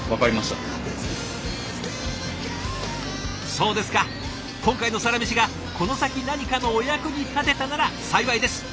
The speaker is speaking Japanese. そうですか今回の「サラメシ」がこの先何かのお役に立てたなら幸いです。